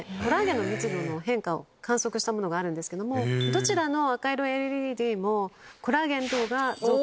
どちらの赤色ＬＥＤも。